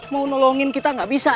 mau menolong kita tidak bisa